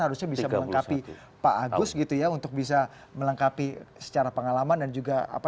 harusnya bisa melengkapi pak agus gitu ya untuk bisa melengkapi secara pengalaman dan juga apa